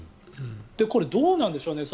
これ、どうなんでしょうね。